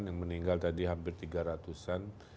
yang meninggal tadi hampir tiga ratusan